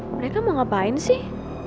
mereka mau ngapain sih